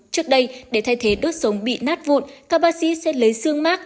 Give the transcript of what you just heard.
trước đây để thay thế đốt sống bị nát vụn các bác sĩ sẽ lấy xương mát